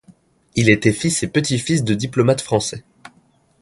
Il était fils et petit-fils de diplomates français.